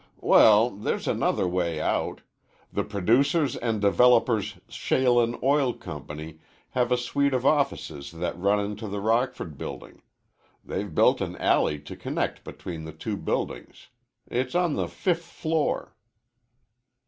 "Well, there's another way out. The Producers & Developers Shale and Oil Company have a suite of offices that run into the Rockford Building. They've built an alley to connect between the two buildings. It's on the fifth floor."